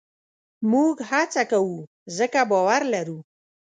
موږ هڅه کوو؛ ځکه باور لرو.